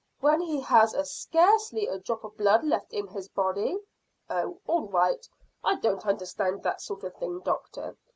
"When he has scarcely a drop of blood left in his body?" "Oh, all right; I don't understand that sort of thing, doctor.